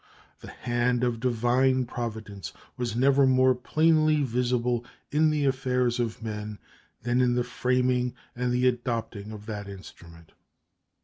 The hand of Divine Providence was never more plainly visible in the affairs of men than in the framing and the adopting of that instrument.